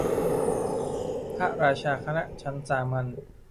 พระราชาคณะชั้นสามัญ